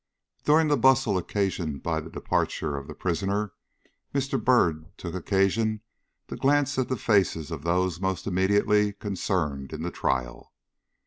During the bustle occasioned by the departure of the prisoner, Mr. Byrd took occasion to glance at the faces of those most immediately concerned in the trial.